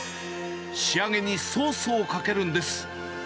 仕上げにソースをかけるんです。